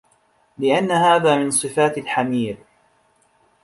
لِأَنَّ هَذَا مِنْ صِفَاتِ الْحَمِيرِ